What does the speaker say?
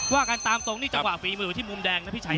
ว่ากันตามตรงนี่จังหวะฝีมือที่มุมแดงนะพี่ชัย